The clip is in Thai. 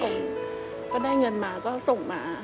คนของต่างคนของกลาง